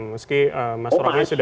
meski mas romi sudah